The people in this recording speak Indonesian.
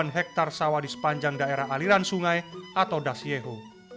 hektar sawah di sepanjang daerah aliran sungai atau dasyeho